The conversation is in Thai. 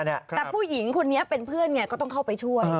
แต่ผู้หญิงคนนี้เป็นเพื่อนไงก็ต้องเข้าไปช่วย